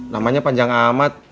namanya panjang amat